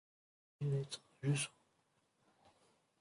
D acu i la yettṛaǧu sɣur-kent?